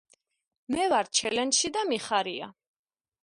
მე ვარ ჩელენჯში და მიხარია